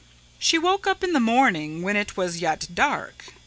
"She woke up in the morning when it was yet dark.